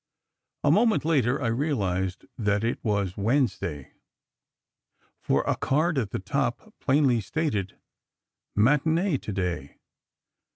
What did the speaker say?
A moment later, I realized that it was Wednesday, for a card at the top plainly stated MATINÉE TO DAY.